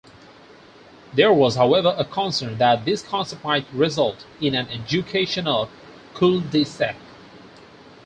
There was however a concern that this concept might result in an educational cul-de-sac.